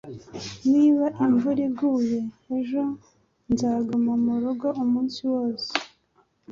Niba imvura iguye ejo, nzaguma murugo umunsi wose.